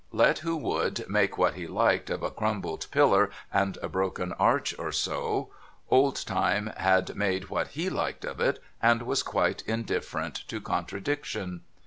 Let who would make what he liked of a crumbled pillar and a broken arch or so. Old Time liad made what ]ie liked of it, and was quite indifferent to contradiction.